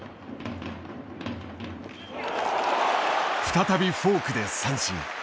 再びフォークで三振。